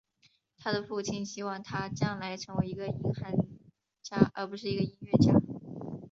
他的父亲希望他将来成为一个银行家而不是一个音乐家。